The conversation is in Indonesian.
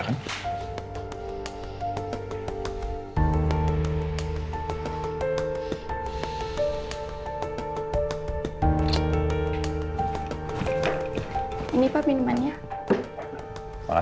sampai jumpa di video selanjutnya